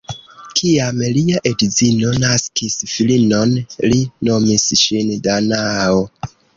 Kiam lia edzino naskis filinon, li nomis ŝin Danao.